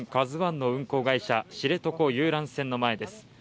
「ＫＡＺＵⅠ」の運航会社、知床遊覧船の前です。